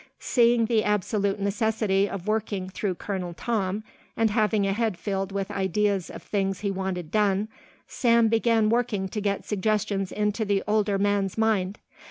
Seeing the absolute necessity of working through Colonel Tom, and having a head filled with ideas of things he wanted done, Sam began working to get suggestions into the older man's mind.